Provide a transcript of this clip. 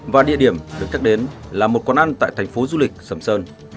và địa điểm được nhắc đến là một quán ăn tại thành phố du lịch sầm sơn